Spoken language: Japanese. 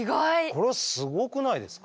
これすごくないですか。